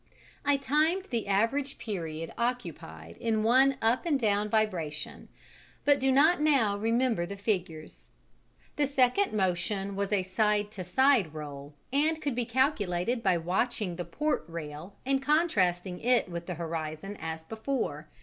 I timed the average period occupied in one up and down vibration, but do not now remember the figures. The second motion was a side to side roll, and could be calculated by watching the port rail and contrasting it with the horizon as before.